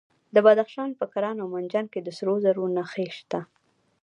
د بدخشان په کران او منجان کې د سرو زرو نښې شته.